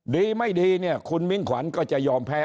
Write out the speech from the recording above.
ดีไม่ดีเนี่ยคุณมิ่งขวัญก็จะยอมแพ้